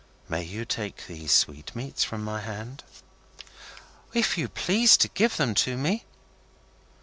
"May you take these sweetmeats from my hand?" "If you please to give them to me."